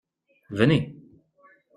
Venez.